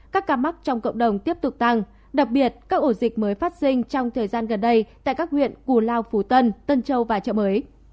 các ca mắc trong cộng đồng tiếp tục tăng đặc biệt các ổ dịch mới phát sinh trong thời gian gần đây tại các huyện cù lao phú tân tân châu và chợ mới